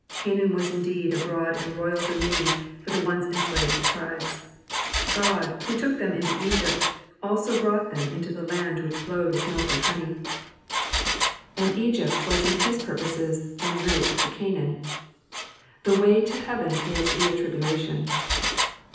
Canaan was indeed a broad and royal domain for the once enslaved tribes: God, who took them into Egypt, also brought them into the land which flowed with milk and honey, and Egypt was in his purposes en route to Canaan. The way to heaven is tid tribulation.